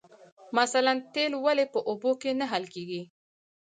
مثلاً تیل ولې په اوبو کې نه حل کیږي